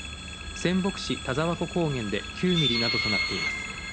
仙北市田沢湖高原で９ミリとなっています。